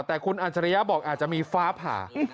แต่คุณอัจฉริยะบอกอาจจะมีฟ้าผ่า